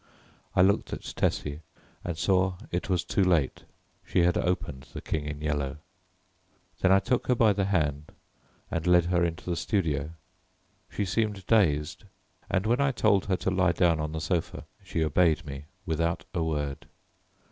I looked at Tessie and saw it was too late. She had opened The King in Yellow. Then I took her by the hand and led her into the studio. She seemed dazed, and when I told her to lie down on the sofa she obeyed me without a word.